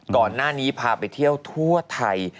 ก่อนหน้านี้พาไปเที่ยวทั่วไทย